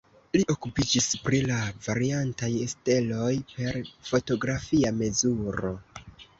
Li okupiĝis pri la variantaj steloj per fotografia mezuro.